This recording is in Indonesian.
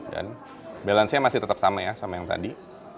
dan balancenya masih tetap sama ya sama yang tadi